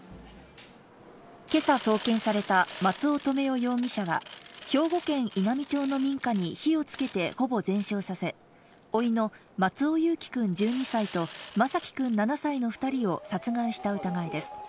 今朝送検された松尾留与容疑者は兵庫県稲美町の民家に火をつけてほぼ全焼させ、甥の松尾侑城くん１２歳と眞輝くん７歳の２人を殺害した疑いです。